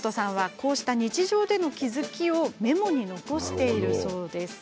こうした日常での気付きをメモに残しているそうです。